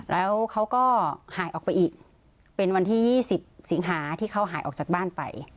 แล้วเขาก็หายออกไปอีกเป็นวันที่๒๐สิงหาที่เขาหายออกจากบ้านไป